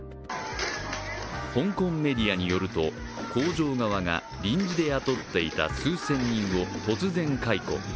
香港メディアによると、工場側が臨時で雇っていた数千人を突然解雇。